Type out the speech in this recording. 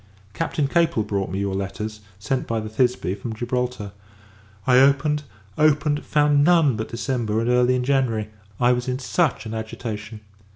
Captain Capel brought me your letters, sent by the Thisbe, from Gibraltar. I opened opened found none but December, and early in January. I was in such an agitation!